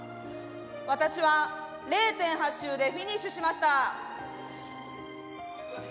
「私は０．８周でフィニッシュしました」。